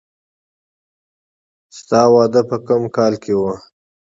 د تا واده به په کوم کال کې وي